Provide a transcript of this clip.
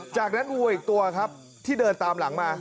จากนั้นวัวอีกตัวครับที่เดินตามหลังมา